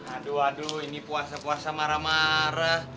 aduh aduh ini puasa puasa marah marah